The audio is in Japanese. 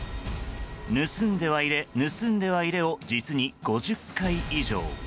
盗んでは入れ、盗んでは入れを実に５０回以上。